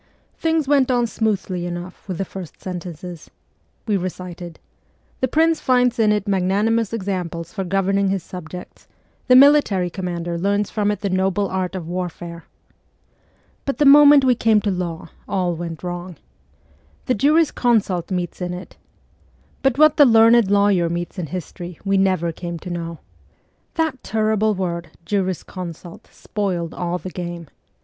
Things went on smoothly enough with the first sentences. We recited :' The prince finds in it magnanimous examples for governing his subjects ; the military commander learns from it the noble art of warfare.' But the moment we came to law all went wrong. ' The juris consult meets in it ' but what the learned lawyer meets in history we never came to know That terrible word ' jurisconsult ' spoiled all the game.